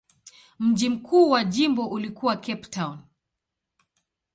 Mji mkuu wa jimbo ulikuwa Cape Town.